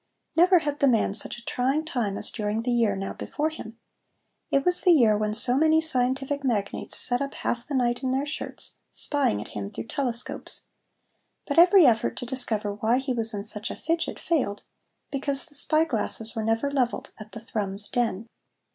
Never had the man such a trying time as during the year now before him. It was the year when so many scientific magnates sat up half the night in their shirts, spying at him through telescopes. But every effort to discover why he was in such a fidget failed, because the spy glasses were never levelled at the Thrums den.